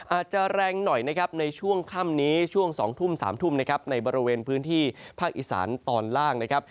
อาจจะแรงหน่อยนะครับในช่วงค่ำนี้ช่วง๒ทุ่ม๓ทุ่มนะครับในบริเวณพื้นที่ภาคอีสานตอนล่างนะครับ